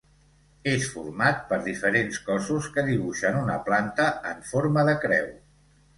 És format per diferents cossos que dibuixen una planta en forma de creu.